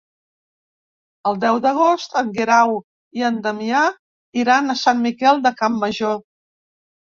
El deu d'agost en Guerau i en Damià iran a Sant Miquel de Campmajor.